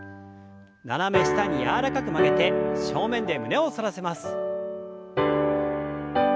斜め下に柔らかく曲げて正面で胸を反らせます。